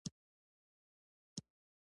ورانه ده اوس هغه بلۍ سالکه